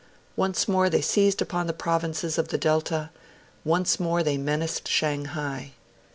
Once more they seized upon the provinces of the delta, once more they menaced Shanghai.